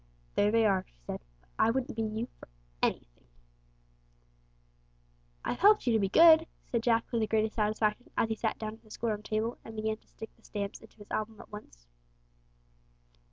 "There they are," she said; "but I wouldn't be you for anything!" "I've helped you to be good," said Jack with the greatest satisfaction as he sat down at the school room table and began to stick the stamps into his album at once.